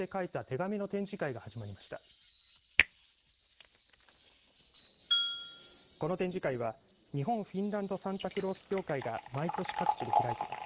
この展示会は日本・フィンランドサンタクロース協会が毎年、各地で開いています。